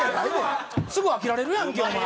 すぐ飽きられるやんけお前。